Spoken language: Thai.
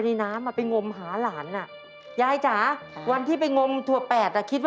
ลืมแล้วลืมแล้ว